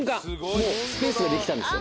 もうスペースができたんですよ